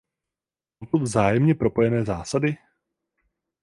Jsou to vzájemně propojené zásady?